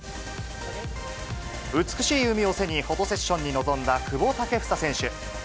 美しい海を背に、フォトセッションに臨んだ久保建英選手。